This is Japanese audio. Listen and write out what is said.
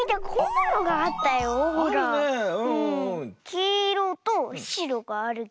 きいろとしろがあるけど。